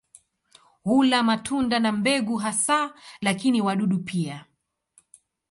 Hula matunda na mbegu hasa, lakini wadudu pia.